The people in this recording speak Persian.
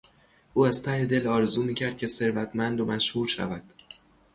او از ته دل آرزو می کرد که ثروتمند و مشهور شود.